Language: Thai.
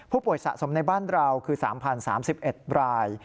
ผู้ป่วยสะสมในบ้านเราคือ๓๐๓๑ราย